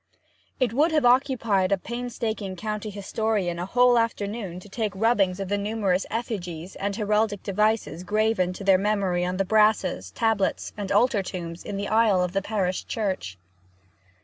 It would have occupied a painstaking county historian a whole afternoon to take rubbings of the numerous effigies and heraldic devices graven to their memory on the brasses, tablets, and altar tombs in the aisle of the parish church.